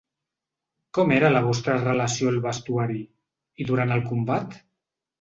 Com era la vostra relació al vestuari, i durant el combat?